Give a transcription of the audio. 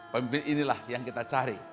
pemimpin inilah yang kita cari